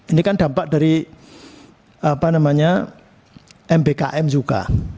ini kan dampak dari mbkm juga